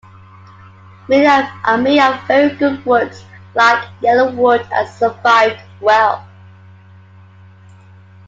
Many are made of very good woods, like yellowwood and survived well.